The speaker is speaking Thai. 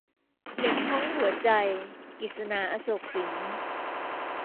หนึ่งห้องหัวใจ - กฤษณา อโศกสิน